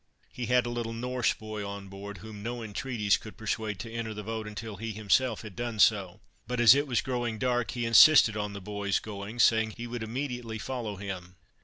He had a little Norse boy on board, whom no entreaties could persuade to enter the boat until he himself had done so; but as it was growing dark, he insisted on the boy's going, saying he would immediately follow him.